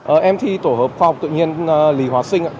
em thi tổ hợp khoa học tự nhiên lý hóa sinh